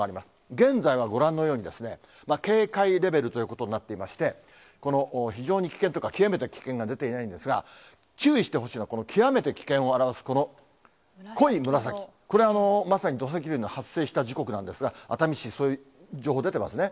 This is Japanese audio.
現在はご覧のようにですね、警戒レベルということになっていまして、この非常に危険とか、極めて危険が出ていないんですが、注意してほしいのは、この極めて危険を表す、この濃い紫、これ、まさに土石流の発生した時刻なんですが、熱海市、そういう情報出てますね。